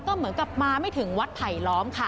ก็เหมือนกับมาไม่ถึงวัดไผลล้อมค่ะ